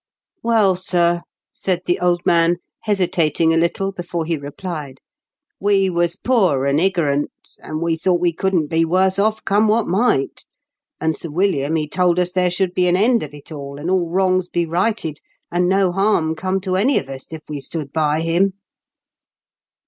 *^ Well, sir," said the old man, hesitating a little before he replied, "we was poor and iggorant, and we thought we couldn't be worse off, come what might; and Sir William he told us there should be an end of it aU, and all wrongs be righted, and no harm come to any of us, if we stood by him."